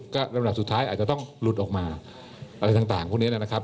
ก็ลำดับสุดท้ายอาจจะต้องหลุดออกมาอะไรต่างพวกนี้นะครับ